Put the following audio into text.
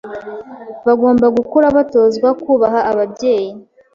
bagomba gukura batozwa kubaha ababyeyi